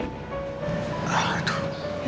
al malah jadi emosi